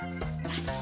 よし！